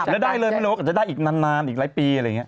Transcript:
แล้วได้เลยไม่รู้ว่าจะได้อีกนานอีกหลายปีอะไรอย่างนี้